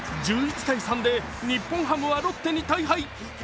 １１−３で日本ハムはロッテに大敗。